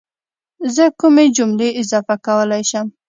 زه کومې جملې اضافه کولی شم